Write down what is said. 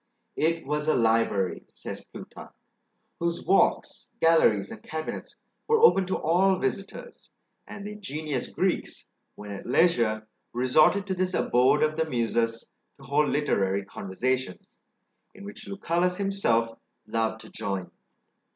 "It was a library," says Plutarch, "whose walks, galleries, and cabinets, were open to all visitors; and the ingenious Greeks, when at leisure, resorted to this abode of the Muses to hold literary conversations, in which Lucullus himself loved to join."